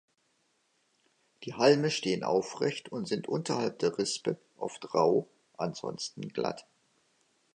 Die Halme stehen aufrecht und sind unterhalb der Rispe oft rau, ansonsten glatt.